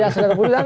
ya sesuai kebutuhan